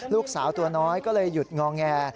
ลูกสาวตัวน้อยก็เลยหยุดงอแง